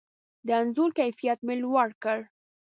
د انځور کیفیت مې لوړ کړ.